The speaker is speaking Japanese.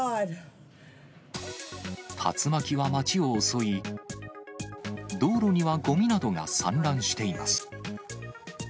竜巻は町を襲い、道路にはごみなどが散乱しています。